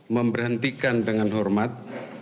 memberhentikan dengan hormat